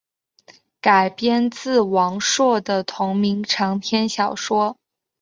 改编自王朔的同名长篇小说。